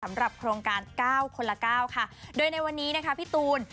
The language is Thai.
โครงการเก้าคนละเก้าค่ะโดยในวันนี้นะคะพี่ตูน